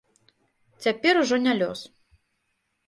Цяпер ужо не лёс.